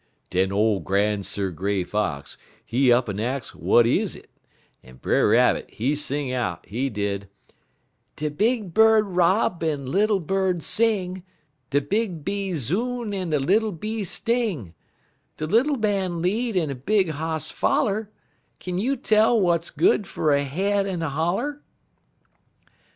_"] "Den ole Gran'sir' Gray Fox, he up'n ax w'at is it, en Brer Rabbit, he sing out, he did: "'_De big bird rob en little bird sing; De big bee zoon en little bee sting, De little man lead en big hoss foller Kin you tell w'at's good fer a head in a holler?